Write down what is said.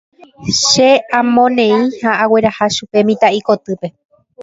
Che amoneĩ ha agueraha chupe mitã'i kotýpe.